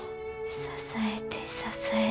支えて支えて。